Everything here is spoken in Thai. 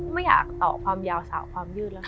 ไม่อยากต่อความยาวสาวความยืดแล้วค่ะ